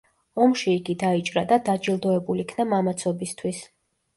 ომში იგი დაიჭრა და დაჯილდოებულ იქნა მამაცობისთვის.